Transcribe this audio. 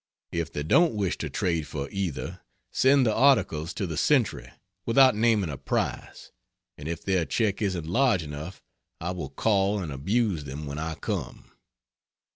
If they don't wish to trade for either, send the articles to the Century, without naming a price, and if their check isn't large enough I will call and abuse them when I come.